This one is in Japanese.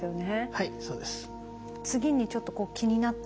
はいそうです。